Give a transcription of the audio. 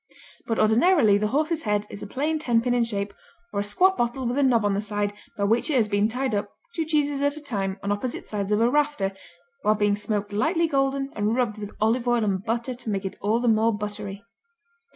But ordinarily the horse's head is a plain tenpin in shape or a squat bottle with a knob on the side by which it has been tied up, two cheeses at a time, on opposite sides of a rafter, while being smoked lightly golden and rubbed with olive oil and butter to make it all the more buttery.